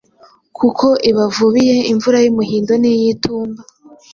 Kuko ibavubiye imvura y’umuhindo n’iy’itumba.”.